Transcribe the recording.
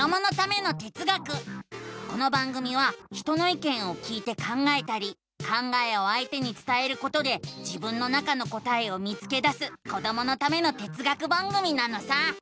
この番組は人のいけんを聞いて考えたり考えをあいてにつたえることで自分の中の答えを見つけだすこどものための哲学番組なのさ！